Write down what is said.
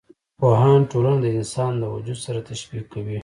پوهان ټولنه د انسان د وجود سره تشبي کوي.